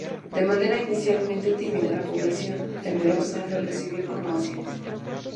De manera inicialmente tímida, la población, temerosa, los recibió con ovaciones.